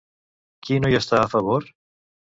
Qui no hi està a favor?